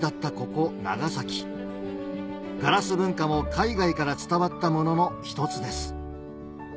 ここ長崎ガラス文化も海外から伝わったものの一つです